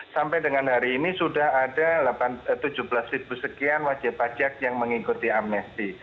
sampai dengan hari ini sudah ada tujuh belas ribu sekian wajib pajak yang mengikuti amnesti